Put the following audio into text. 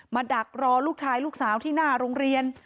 ดักรอลูกชายลูกสาวที่หน้าโรงเรียน